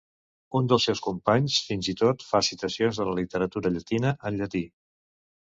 Un dels seus companys fins i tot fa citacions de la literatura llatina en llatí.